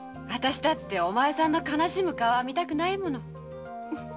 あたしだってお前さんの悲しむ顔は見たくないもの。